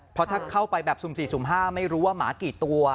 เพราะถ้าเข้าไปแบบ๐๔๐๕ไม่รู้ว่าหมากี่ตัว